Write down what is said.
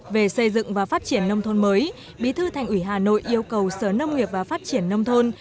về xây dựng và phát triển nông thôn mới bí thư thành ủy hà nội yêu cầu sở nông nghiệp và phát triển nông thôn